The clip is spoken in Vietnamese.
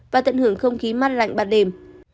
và tận hưởng không khí mát lạnh ban đêm